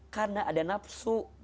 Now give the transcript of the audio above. karena ada nafsu